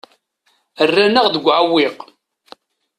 Rran-aɣ deg uɛewwiq.